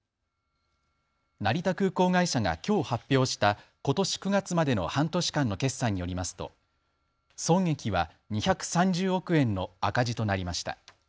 成田空港会社がきょう発表したことし９月までの半年間の決算によりますと損益は２３０億円の赤字となりました。